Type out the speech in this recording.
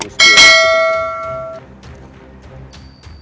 gusti ratu kentriman